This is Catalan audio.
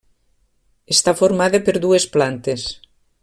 Està formada per dues plantes.